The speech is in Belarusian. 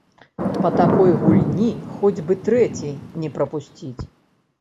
Па такой гульні хоць бы трэці не прапусціць.